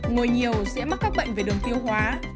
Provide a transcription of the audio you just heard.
ngồi nhiều dễ mắc các bệnh về đường tiêu hóa